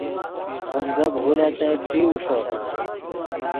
ڤیم گپ غولیتت ݯیو ݰوت